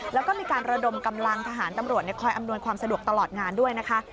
แล้วก็มีการระดมกำลังทหารตำรวจคอยอำนวยความสะดวกตลอดงานด้วยนะคะ